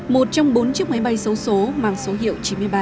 một trong bốn chiếc máy bay xấu xố mang số hiệu chín mươi ba